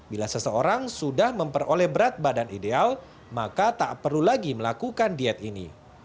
bila seseorang sudah memperoleh berat badan ideal maka tak perlu lagi melakukan diet ini